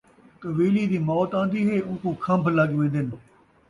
کویلی دی موت آن٘دی ہے اون٘کوں کھمب لڳ وین٘دن